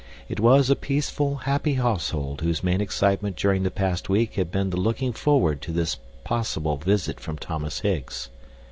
It was a peaceful, happy household whose main excitement during the past week had been the looking forward to this possible visit from Thomas Higgs.